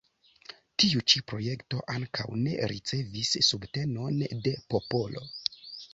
Tiu ĉi projekto ankaŭ ne ricevis subtenon de popolo.